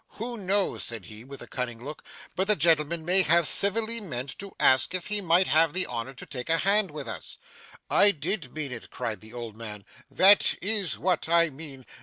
'Who knows,' said he, with a cunning look, 'but the gentleman may have civilly meant to ask if he might have the honour to take a hand with us!' 'I did mean it,' cried the old man. 'That is what I mean.